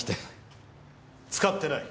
使ってない。